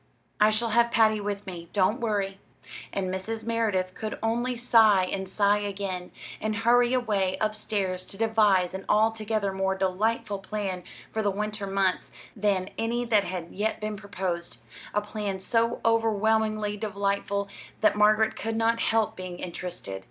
I shall have Patty with me. Don't worry." And Mrs. Merideth could only sigh and sigh again, and hurry away up stairs to devise an altogether more delightful plan for the winter months than any that had yet been proposed a plan so overwhelmingly delightful that Margaret could not help being interested.